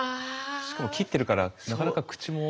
しかも切ってるからなかなか口も。